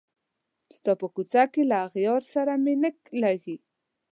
ستا په کوڅه کي له اغیار سره مي نه لګیږي